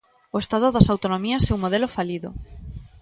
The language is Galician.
O Estado das autonomías é un modelo falido.